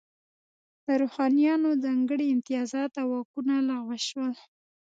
د روحانینو ځانګړي امتیازات او واکونه لغوه شول.